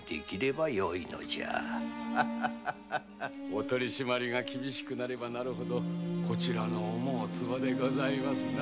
・お取り締まりが厳しくなればなるほどこちらの思うつぼでございますな。